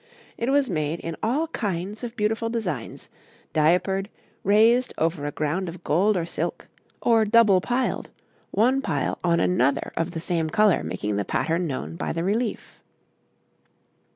It was made in all kinds of beautiful designs, diapered, and raised over a ground of gold or silk, or double piled, one pile on another of the same colour making the pattern known by the relief.